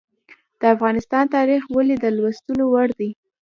د افغانستان تاریخ ولې د لوستلو وړ دی؟